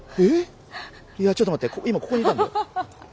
いやちょっと待って今ここにいたんだよ。